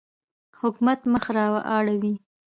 حکومت مخ را اړوي.